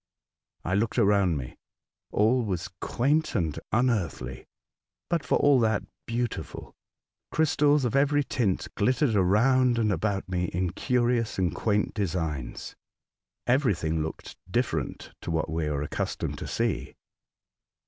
I looked around me. All was quaint and unearthly, but, for all that, beautiful. Crystals of every tint glittered around and about me in curious and quaint designs. Everything looked different to what we are accustomed to see.